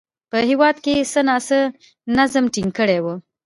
په هېواد کې یې څه ناڅه نظم ټینګ کړی و